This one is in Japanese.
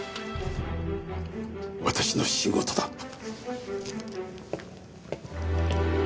私の仕事だ。